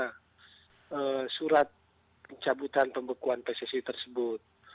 kami belum bisa menerima surat pencabutan pembekuan pssi tersebut